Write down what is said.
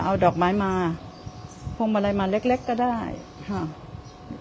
เอาดอกไม้มาพออะไรมาเล็กก็ได้ค่ะ